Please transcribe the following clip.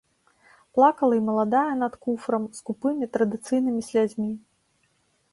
Плакала і маладая над куфрам скупымі традыцыйнымі слязьмі.